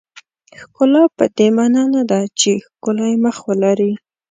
ښکلا پدې معنا نه ده چې ښکلی مخ ولرئ.